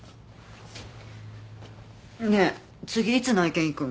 ねえ次いつ内見行くん？